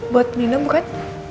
buat nina bukan